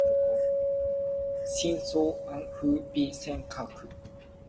天落紅雨，馬生角